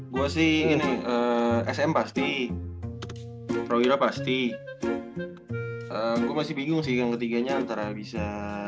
gue sih ini sm pasti prawira pasti gue masih bingung sih yang ketiganya antara bisa